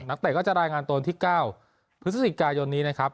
เตะก็จะรายงานตัววันที่๙พฤศจิกายนนี้นะครับ